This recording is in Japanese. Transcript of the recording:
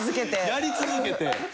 やり続けて。